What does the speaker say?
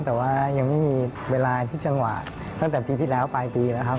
แต่ว่ายังไม่มีเวลาที่จังหวะตั้งแต่ปีที่แล้วปลายปีแล้วครับ